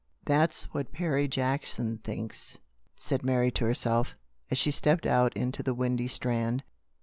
" That's what Perry Jackson thinks," said Mary to herself, as she stepped out into the windy Strand.